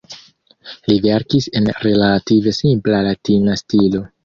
Li verkis en relative simpla latina stilo.